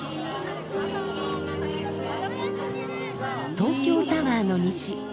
東京タワーの西。